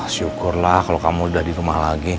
syukurlah kalau kamu udah di rumah lagi